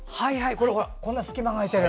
こんな隙間が空いてる！